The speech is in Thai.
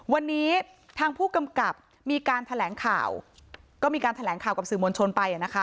วันนี้ทางผู้กำกับมีการแถลงข่าวก็มีการแถลงข่าวกับสื่อมวลชนไปนะคะ